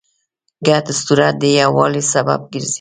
ګډ اسطوره د یووالي سبب ګرځي.